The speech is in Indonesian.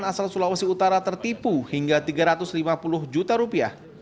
asal sulawesi utara tertipu hingga tiga ratus lima puluh juta rupiah